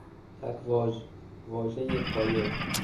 تکواژ، واژهی پایه